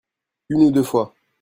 Une ou deux fois.